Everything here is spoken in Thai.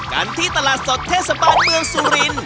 กันที่ตลาดสดเทศบาลเมืองสุรินทร์